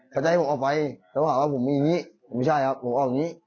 เขาจะให้ผมออกไปแล้วหากว่าผมไม่ได้คุยไม่ใช่ครับผมออกไปนี้